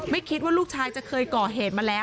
ไม่คิดว่าลูกชายจะเคยก่อเหตุมาแล้ว